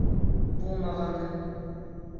Булмағаны!